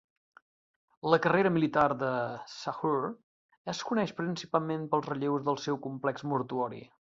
La carrera militar de Sahure es coneix principalment pels relleus del seu complex mortuori.